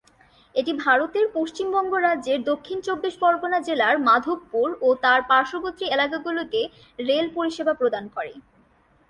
এটি ভারতের পশ্চিমবঙ্গ রাজ্যের দক্ষিণ চব্বিশ পরগনা জেলার মাধবপুর ও তার পার্শ্ববর্তী এলাকাগুলিতে রেল পরিষেবা প্রদান করে।